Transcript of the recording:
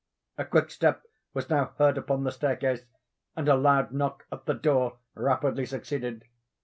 A quick step was now heard upon the staircase, and a loud knock at the door rapidly succeeded.